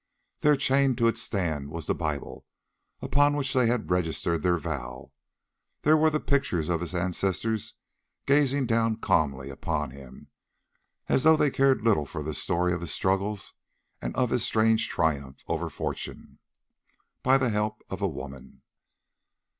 There chained to its stand was the Bible, upon which they had registered their vow; there were the pictures of his ancestors gazing down calmly upon him, as though they cared little for the story of his struggles and of his strange triumph over fortune "by the help of a woman."